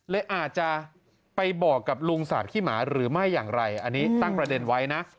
อาจจะไปบอกกับลุงสาดขี้หมาหรือไม่อย่างไรอันนี้ตั้งประเด็นไว้นะ